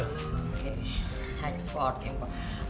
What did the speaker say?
oke ekspor ya pak